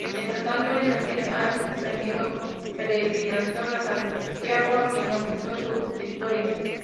Mientras tanto el Cid ha emprendido peregrinación a Santiago, a quien ofreció sus victorias.